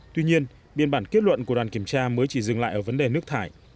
tuy nhiên biên bản kết luận của đoàn kiểm tra mới chỉ dừng lại ở vấn đề nước thải